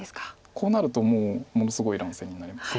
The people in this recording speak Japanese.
こうなるともうものすごい乱戦になります。